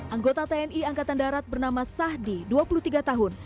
anggota tni angkatan darat bernama sahdi dua puluh tiga tahun